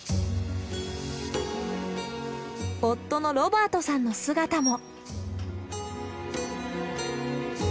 夫のロバートさんの姿も。